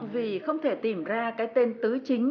vì không thể tìm ra cái tên tứ chính